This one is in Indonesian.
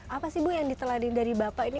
apa sih ibu yang ditelani dari bapak ini